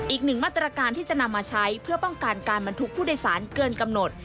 อีกหนึ่งมาตรการที่จะนำมาใช้เพื่อป้องกันการบรรทุกผู้โดยสารเกินกำหนด